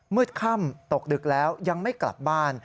ค่ำตกดึกแล้วยังไม่กลับบ้าน